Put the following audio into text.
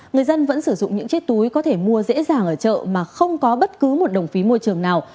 người dân vẫn sử dụng những chiếc túi có thể mua dễ dàng ở chợ mà không có bất cứ một đồng phí môi trường nào